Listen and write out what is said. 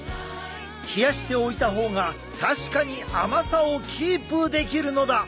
冷やしておいた方が確かに甘さをキープできるのだ！